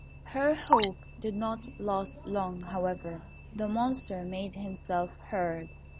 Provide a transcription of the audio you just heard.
Her hope did not last long, however. The Monster made himself heard.